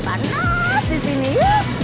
panas di sini yuk